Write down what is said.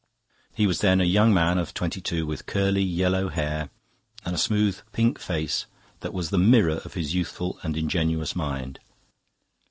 He was then a young man of twenty two, with curly yellow hair and a smooth pink face that was the mirror of his youthful and ingenuous mind.